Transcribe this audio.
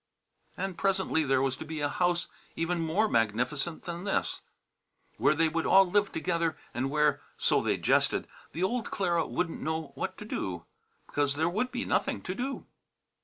And presently there was to be a house even more magnificent than this, where they would all live together and where, so they jested, the old Clara wouldn't know what to do, because there would be nothing to do.